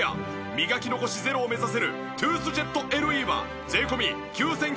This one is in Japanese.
磨き残しゼロを目指せるトゥースジェットＬＥは税込９９８０円。